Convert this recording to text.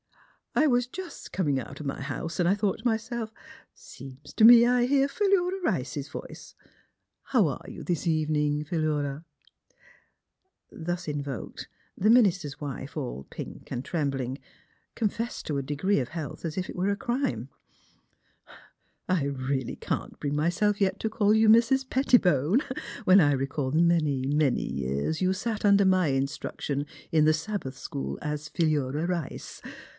" I was just comin' out of my house, and I thought to myself : seems to me I hear Philuf a Rice's voice. How are you this evening, Phi lura? " Thus invoked, the minister's wife, all pink and trembling, confessed to a degree of health as if it were a crime. *' A SPOT WHERE SPIRITS BLEND " 37 *' I really can't bring myself yet to call you Missis Pettibone, when I recall the many, many years you sat under my instruction in the Sabbath school as Philura Rice.